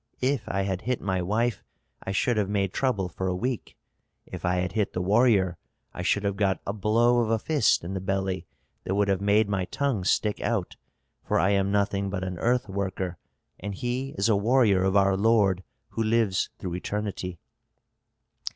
If I had hit my wife, I should have made trouble for a week. If I had hit the warrior, I should have got a blow of a fist in the belly that would have made my tongue stick out, for I am nothing but an earth worker, and he is a warrior of our lord who lives through eternity."